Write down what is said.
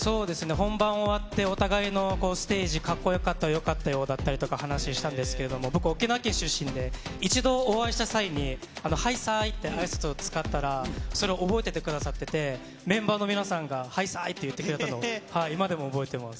本番終わって、お互いのステージ、かっこよかったよ、よかったよっていう話したんですけれども、僕、沖縄県出身で、一度お会いした際にはいさーいってあいさつを使ったら、それを覚えててくださって、メンバーの方がはいさーいって言ってくれたの、今でも覚えてます。